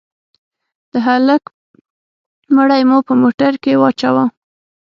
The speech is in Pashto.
د هلك مړى مو په موټر کښې واچاوه.